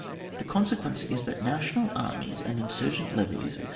The consequence is that national armies and insurgent levies, etc.